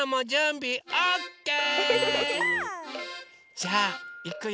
じゃあいくよ。